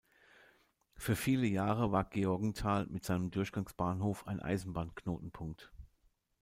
Für viele Jahre war Georgenthal mit seinem Durchgangsbahnhof ein Eisenbahnknotenpunkt.